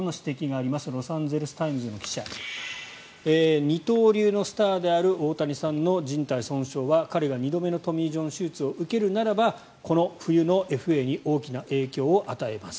ロサンゼルス・タイムズの記者二刀流のスターである大谷さんのじん帯損傷は彼が２度目のトミー・ジョン手術を受けるならばこの冬のＦＡに大きな影響を与えます。